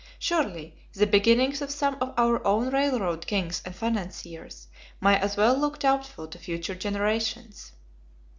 Surely, the beginnings of some of our own railroad kings and financiers may as well look doubtful to future generations.